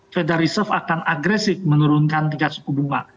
federal reserve akan agresif menurunkan tingkat suku bunga